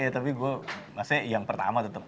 tapi gue maksudnya yang pertama tetap